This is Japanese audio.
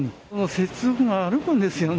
接続が歩くんですよね。